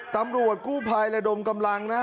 ตำรวจกู้ภัยลายดมกำลัง